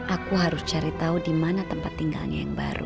aku harus cari tahu di mana tempat tinggalnya yang baru